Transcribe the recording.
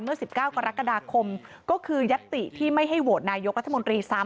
๑๙กรกฎาคมก็คือยัตติที่ไม่ให้โหวตนายกรัฐมนตรีซ้ำ